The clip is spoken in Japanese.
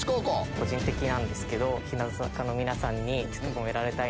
個人的なんですけど。